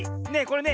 ね